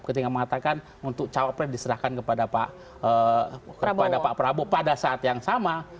ketika mengatakan untuk cawapres diserahkan kepada pak prabowo pada saat yang sama